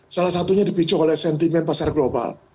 salah satunya dipicu oleh sentimen pasar global